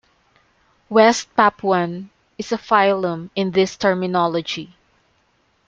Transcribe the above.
West Papuan is a phylum in this terminology.